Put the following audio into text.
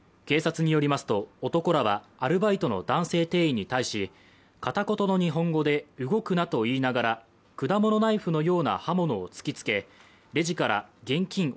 警察によりますと、男らはアルバイトの男性店員に対し、片言の日本語で、動くなと言いながら果物ナイフのような刃物を突きつけレジから現金